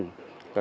của trong bảy buôn